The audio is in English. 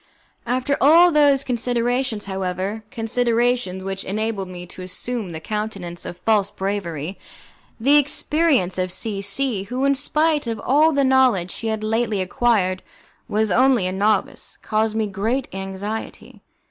After all those considerations, however, considerations which enabled me to assume the countenance of false bravery, the inexperience of C C , who, in spite of all the knowledge she had lately acquired, was only a novice, caused me great anxiety.